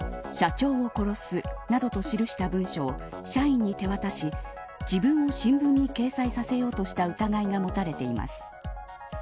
社長を殺すなどと記した文書を社員に手渡し自分を新聞に掲載させようとした疑いが持たれてます。